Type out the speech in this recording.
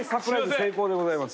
成功でございます。